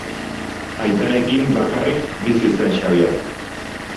Aitarekin bakarrik bizi zen Xabier.